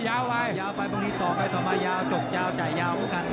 หูราคามาต่อไปต่อไปต่อมายาวจกยาวจ่ายยาวกัน